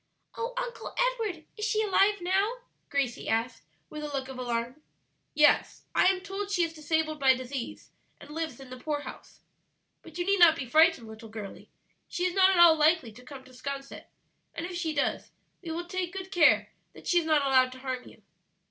"Oh, Uncle Edward, is she alive now?" Gracie asked, with a look of alarm. "Yes, I am told she is disabled by disease, and lives in the poorhouse. But you need not be frightened, little girlie; she is not at all likely to come to 'Sconset, and if she does we will take good care that she is not allowed to harm you."